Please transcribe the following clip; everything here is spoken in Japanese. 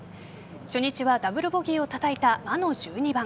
初日はダブルボギーをたたいた魔の１２番。